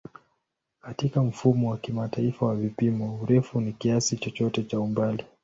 Katika Mfumo wa Kimataifa wa Vipimo, urefu ni kiasi chochote cha umbali.